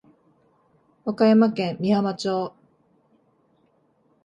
和歌山県美浜町